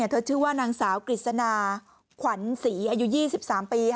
ชื่อว่านางสาวกฤษณาขวัญศรีอายุ๒๓ปี